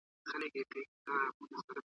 د زلمیو، د پېغلوټو، د مستیو ,